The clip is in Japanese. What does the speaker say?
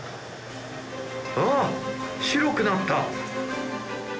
あっ白くなった！